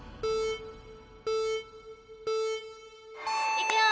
いくよ！